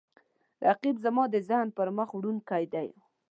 رقیب زما د ذهن پرمخ وړونکی دی